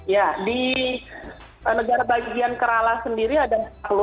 ya di negara bagian kerala sendiri ada empat